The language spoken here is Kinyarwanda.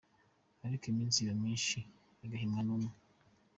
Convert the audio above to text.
Ariko iminsi iba myinshi I gahimwa n umwe….